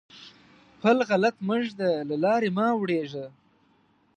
پل غلط مه ږده؛ له لارې مه اوړېږه.